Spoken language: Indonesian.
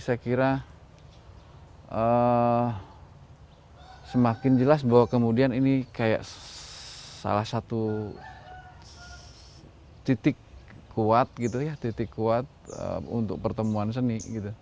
saya kira semakin jelas bahwa kemudian ini kayak salah satu titik kuat untuk pertemuan seni